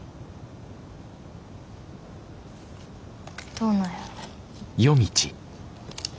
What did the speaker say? どうなんやろ。